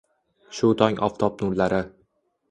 Shu tong oftob nurlari